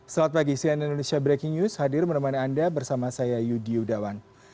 selamat pagi sian indonesia breaking news hadir menemani anda bersama saya yudi yudawan